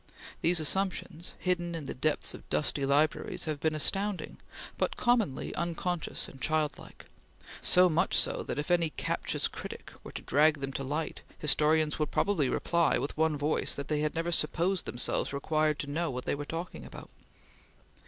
These assumptions, hidden in the depths of dusty libraries, have been astounding, but commonly unconscious and childlike; so much so, that if any captious critic were to drag them to light, historians would probably reply, with one voice, that they had never supposed themselves required to know what they were talking about.